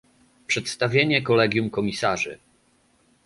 Przedstawienie kolegium komisarzy